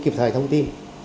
kịp thời thông tin